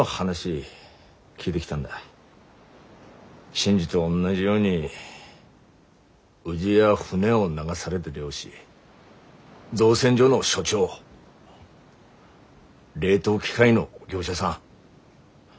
新次とおんなじようにうぢや船を流されだ漁師造船所の所長冷凍機械の業者さん